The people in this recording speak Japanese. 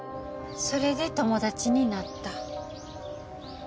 それで友達になった。